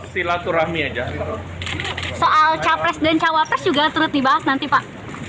soal capres dan cawapres juga terus dibahas nanti pak